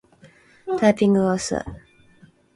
タイピングが遅い